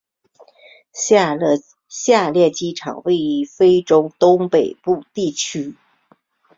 下列机场位于非洲东北部地区。